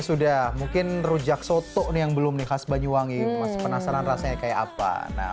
sudah mungkin rujak soto yang belum dikasih banyuwangi mas penasaran rasanya kayak apa nah